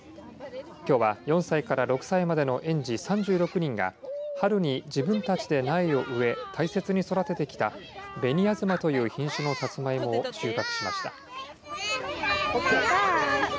きょうは４歳から６歳までの園児３６人が春に自分たちで苗を植え大切に育ててきた紅あずまという品種のさつまいもを収穫しました。